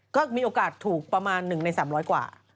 ก็มีโอกาสถูกประมาณ๑ใน๓๐๐กว่า